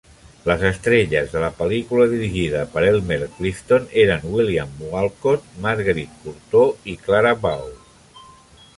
Les estrelles de la pel·lícula dirigida per Elmer Clifton eren William Walcott, Marguerite Courtot i Clara Bow.